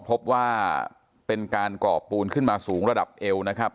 พบว่าเป็นการก่อปูนขึ้นมาสูงระดับเอวนะครับ